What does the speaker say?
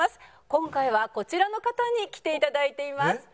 今回はこちらの方に来て頂いています。